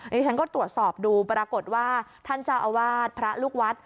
นี่ฉันก็ตรวจสอบดูปรากฏว่าท่านเจ้าอาวาสพระลูกวัด